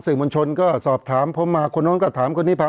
เพราะฉะนั้นประชาธิปไตยเนี่ยคือการยอมรับความเห็นที่แตกต่าง